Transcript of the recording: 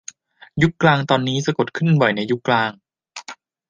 ยุคกลางตอนนี้สะกดบ่อยขึ้นในยุคกลาง